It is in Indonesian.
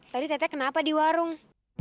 tadi tete kenapa di warung